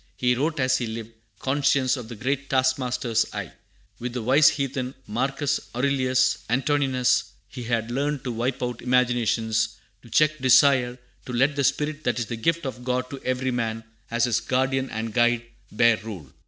He wrote as he lived, conscious of "the great Task master's eye." With the wise heathen Marcus Aurelius Antoninus he had learned to "wipe out imaginations, to check desire, and let the spirit that is the gift of God to every man, as his guardian and guide, bear rule."